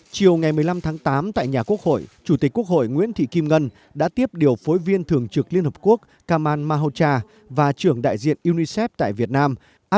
chiều ngày một mươi năm tháng tám tại nhà quốc hội chủ tịch quốc hội nguyễn thị kim ngân đã tiếp điều phối viên thường trực liên hợp quốc kamal mahocha và trưởng đại diện unicef tại việt nam